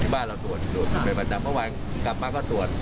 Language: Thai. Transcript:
บ้านเราตรวจส่วนไปกลับมาก็ตรวจ